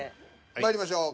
まいりましょう。